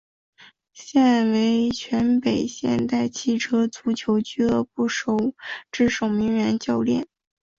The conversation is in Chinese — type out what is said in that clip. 现为全北现代汽车足球俱乐部之守门员教练。